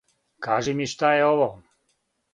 Кажи ми шта је ово?